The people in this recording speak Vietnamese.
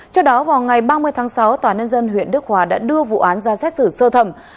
trước đó vào ngày ba mươi tháng sáu tòa nhân dân huyện đức hòa đã đưa vụ án ra xét xử sơ thẩm